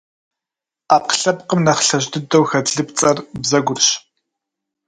Ӏэпкълъэпкъым нэхъ лъэщ дыдэу хэт лыпцӏэр - бзэгурщ.